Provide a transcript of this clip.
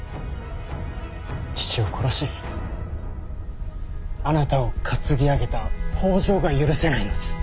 父を殺しあなたを担ぎ上げた北条が許せないのです。